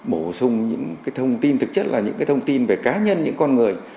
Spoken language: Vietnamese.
bổ sung những thông tin thực chất là những thông tin về cá nhân những con người